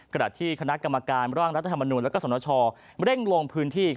กระดาษที่คณะกรรมการร่วงรัฐธรรมนุนแล้วก็สนชอบเร่งลงพื้นที่